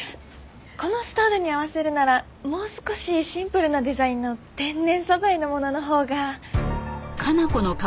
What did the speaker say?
このストールに合わせるならもう少しシンプルなデザインの天然素材のもののほうが。